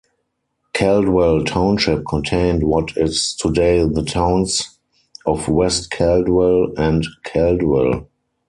Caldwell Township contained what is today the towns of West Caldwell and Caldwell.